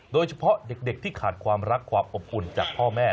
โดยเฉพาะเด็กที่ขาดความรักความอบอุ่นจากพ่อแม่